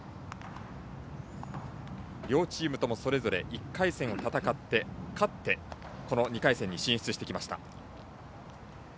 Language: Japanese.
両チームともそれぞれ１回戦を戦って勝って２回戦に進出してきました。